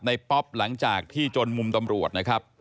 ป๊อปหลังจากที่จนมุมตำรวจนะครับ